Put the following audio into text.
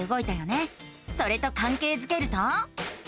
それとかんけいづけると。